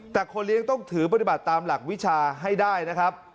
แต่คนเลี้ยงต้องถือปฏิบัติตามหลักวิชาให้ได้นะครับ